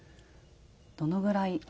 どのぐらい？